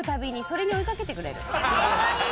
かわいい！